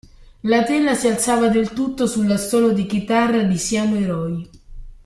La tela si alzava del tutto sull'assolo di chitarra di "Siamo eroi".